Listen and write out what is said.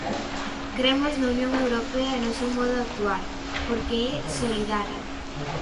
Cremos na Unión Europea e no seu modo de actuar, porque é solidario.